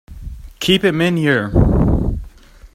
Keep him in here!